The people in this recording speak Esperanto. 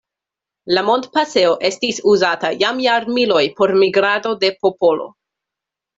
La montpasejo estis uzata jam jarmiloj por migrado de popolo.